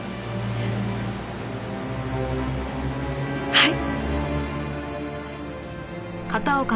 はい。